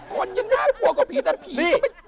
คนยังน่ากลัวกว่าผีแต่ผี